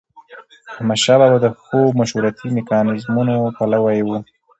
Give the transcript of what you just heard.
احمدشاه بابا د ښو مشورتي میکانیزمونو پلوي و.